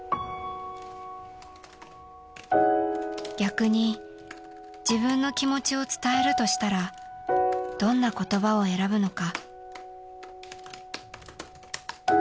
［逆に自分の気持ちを伝えるとしたらどんな言葉を選ぶのか］